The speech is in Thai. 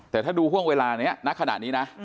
แต่ถ้าดูห่วงเวลานี้ณขณะนี้นะ